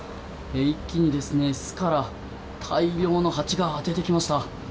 一気に巣から大量のハチが出てきました。